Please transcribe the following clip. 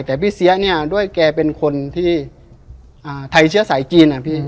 แต่พี่เสียเนี่ยด้วยแกเป็นคนที่ไทยเชื้อสายจีนอ่ะพี่